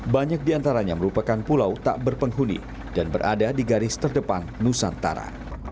banyak diantaranya merupakan pulau tak berpenghuni dan berada di garis terdepan nusantara